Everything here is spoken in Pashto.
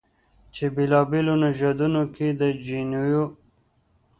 چې بېلابېلو نژادونو کې د جینونو